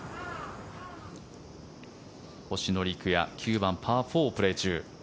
星野陸也９番、パー４をプレー中。